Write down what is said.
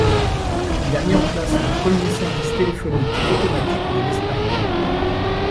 Il a mis en place le premier service téléphonique automatique de l'Espagne.